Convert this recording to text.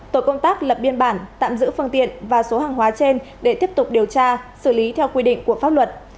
tổ công tác lập biên bản tạm giữ phương tiện và số hàng hóa trên để tiếp tục điều tra xử lý theo quy định của pháp luật